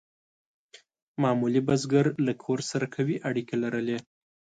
معمولي بزګر له کور سره قوي اړیکې لرلې.